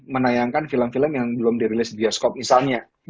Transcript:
menayangkan film film yang belum dirilis bioskop misalnya